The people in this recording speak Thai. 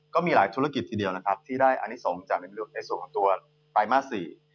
ก็มีหลายธุรกิจทีเดียวที่ได้อานิสมจะเป็นเรื่องในส่วนของตัวปลายมาสี่